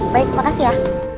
baik makasih ya